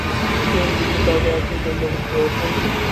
তিনি দিল্লি দরবারের একজন কেন্দ্রীয় ব্যক্তি হয়ে উঠেন।